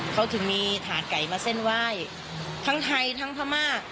เขาถึงมีถาดไก่มาเส้นไหว้ทั้งไทยทั้งพม่า